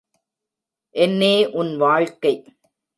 என்னே உன் வாழ்க்கை.